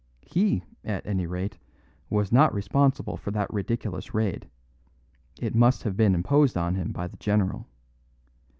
He, at any rate, was not responsible for that ridiculous raid; it must have been imposed on him by the general.